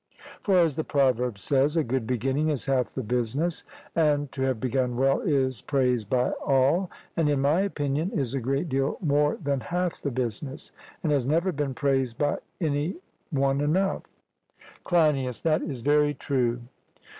For as the proverb says, 'a good beginning is half the business'; and 'to have begun well' is praised by all, and in my opinion is a great deal more than half the business, and has never been praised by any one enough. CLEINIAS: That is very true.